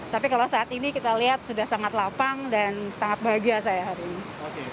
tapi kalau saat ini kita lihat sudah sangat lapang dan sangat bahagia saya hari ini